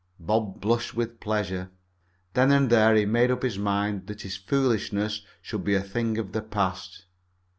Bob blushed with pleasure. Then and there he made up his mind that his foolishness should be a thing of the past.